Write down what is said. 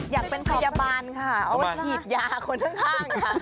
อยากเป็นพยาบาลค่ะเอาไว้ฉีดยาคนข้างค่ะ